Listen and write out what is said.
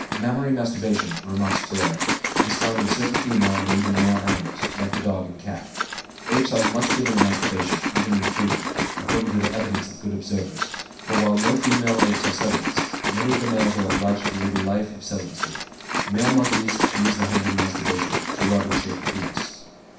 Mammary masturbation, remarks Féré, is found in certain female and even male animals, like the dog and the cat. Apes are much given to masturbation, even in freedom, according to the evidence of good observers; for while no female apes are celibates, many of the males are obliged to lead a life of celibacy. Male monkeys use the hand in masturbation, to rub and shake the penis.